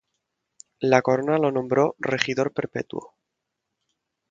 La Corona lo nombró Regidor Perpetuo.